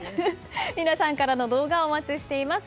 皆さんからの動画お待ちしています。